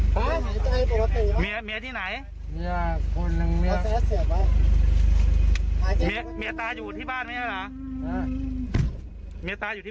อ๋อพ่อเขาบอกว่าเขาอยู่นี่